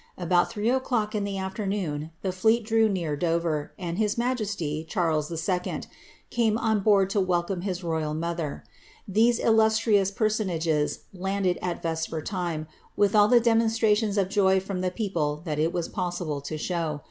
About three oVlock in the aflernoon the fleet drew near Dover, and his majesty, Cliarles \U came on board to welcome his royal mother. These illustrious per sonages landed at vesper time, with all the demonstrations of joy from the [leople that it was possiI>lc to show.